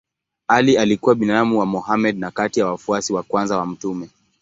Ali alikuwa binamu wa Mohammed na kati ya wafuasi wa kwanza wa mtume.